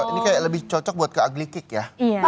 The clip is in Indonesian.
oh ini kayak lebih cocok buat ke ugly cake ya